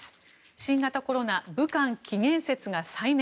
新型コロナ武漢起源説が再燃。